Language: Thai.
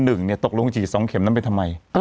หนึ่งตกลงฉีดสองเข็มนั้นไปทำไม